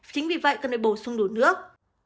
chính vì vậy cần phải bổ sung đủ nước